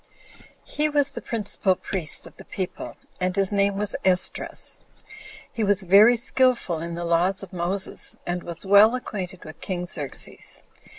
He was the principal priest of the people, and his name was Esdras. He was very skillful in the laws of Moses, and was well acquainted with king Xerxes.